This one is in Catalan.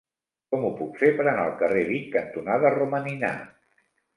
Com ho puc fer per anar al carrer Vic cantonada Romaninar?